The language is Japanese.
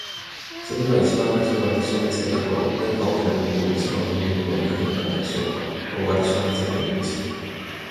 「それでは一番はじめ私を見つけた頃、何か大きな鳥でも空を飛んでいるのを見かけなかったでしょうか。」と私は尋ねてみました。